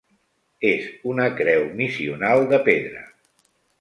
És una creu missional de pedra.